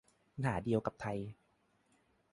ปัญหาเดียวกับไทย